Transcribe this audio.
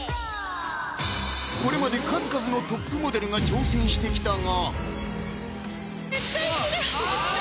これまで数々のトップモデルが挑戦してきたが